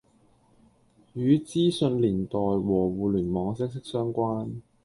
與資訊年代和互聯網息息相關